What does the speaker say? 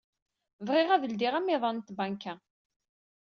Bɣiɣ ad ledyeɣ amiḍan n tbanka.